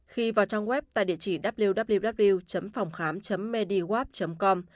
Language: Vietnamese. khi vào trong web tại địa chỉ www phongkham mediguap com